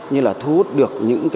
như là thu hút được những